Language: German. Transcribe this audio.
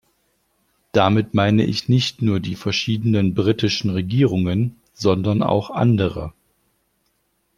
Damit meine ich nicht nur die verschiedenen britischen Regierungen, sondern auch andere.